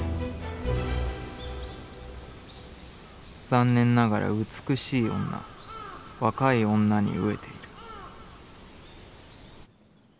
「残念ながら美しい女、若い女に餓えている」。